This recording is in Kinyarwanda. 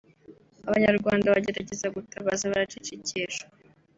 Abanyarwanda bagerageza gutabaza baracecekeshwa